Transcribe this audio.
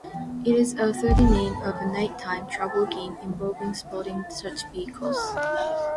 It is also the name of a nighttime travel game involving spotting such vehicles.